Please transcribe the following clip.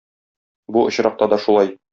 Бу очракта да шулай.